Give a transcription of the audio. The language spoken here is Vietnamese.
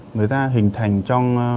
người ta hình thành trong